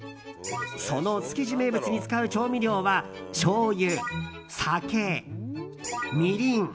その築地名物に使う調味料はしょうゆ、酒、みりん。